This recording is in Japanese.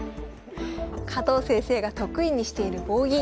加藤先生が得意にしている棒銀。